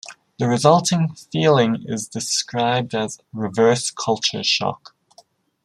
The resulting feeling is described as "reverse culture shock".